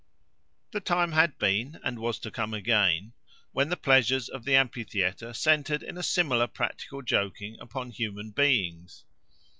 The time had been, and was to come again, when the pleasures of the amphitheatre centered in a similar practical joking upon human beings.